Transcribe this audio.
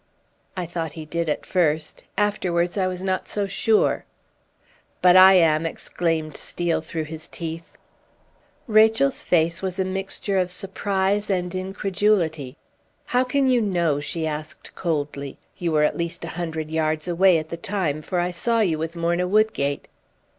"I thought he did at first; afterwards I was not so sure." "But I am!" exclaimed Steel through his teeth. Rachel's face was a mixture of surprise and incredulity. "How can you know?" she asked coldly. "You were at least a hundred yards away at the time, for I saw you with Morna Woodgate."